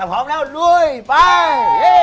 พร้อมแล้วลุยไป